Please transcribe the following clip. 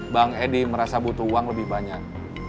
bang edi merasa butuh uang lebih banyak